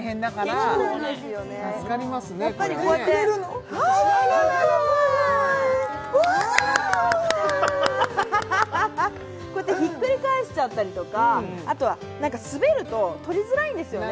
ああすごいこうやってひっくり返しちゃったりとかあとはすべると取りづらいんですよね